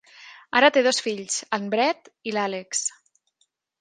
Ara té dos fills, en Brett i l'Alex.